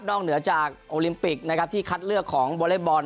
นอกเหนือจากโอลิมปิกที่คัดเลือกของบริบอล